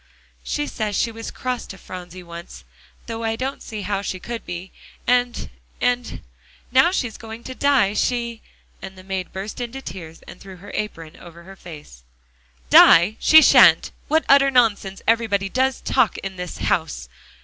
"She says she was cross to Phronsie once though I don't see how she could be, and and now that she's going to die, she" and the maid burst into tears and threw her apron over her face. "Die she shan't! What utter nonsense everybody does talk in this house!"